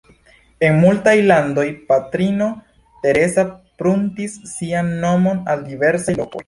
En multaj landoj, Patrino Teresa pruntis sian nomon al diversaj lokoj.